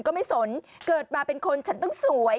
ก็ไม่สนเกิดมาเป็นคนฉันต้องสวย